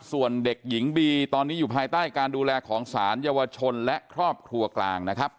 ส่วนเด็กหญิงบีตอนนี้อยู่ภายใต้การดูแลของสารเยาวชนและครอบครัวกลางนะครับ